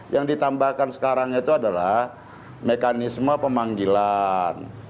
yang ditambahkan sekarang itu adalah mekanisme pemanggilan